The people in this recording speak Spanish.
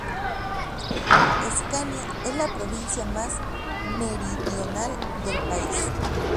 Escania es la provincia más meridional del país.